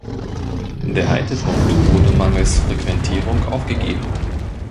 Der Haltepunkt wurde mangels Frequentierung aufgegeben.